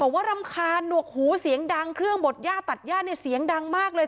รำคาญหนวกหูเสียงดังเครื่องบดย่าตัดย่าเนี่ยเสียงดังมากเลย